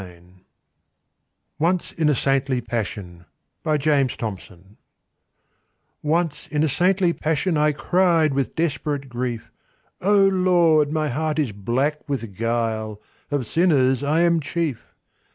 Y Z Once in a Saintly Passion ONCE in a saintly passion I cried with desperate grief, "O Lord, my heart is black with guile, Of sinners I am chief."